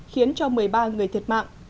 khiến cho một mươi ba người thiệt mạng